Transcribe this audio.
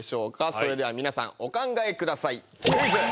それではみなさんお考えください。